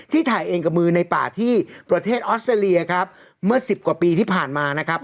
ถ่ายเองกับมือในป่าที่ประเทศออสเตรเลียครับเมื่อสิบกว่าปีที่ผ่านมานะครับ